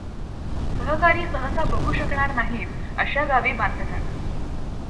सहकारी सहसा बघू शकणार नाहीत अशा गावी बांधतात.